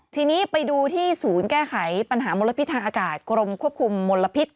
ทีนี้ไปดูที่ศูนย์แก้ไขปัญหามลพิษทางอากาศกรมควบคุมมลพิษ